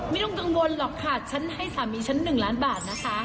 ไม่ต้องกังวลหรอกค่ะฉันให้สามีฉัน๑ล้านบาทนะคะ